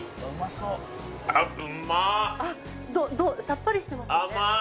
さっぱりしてますよね。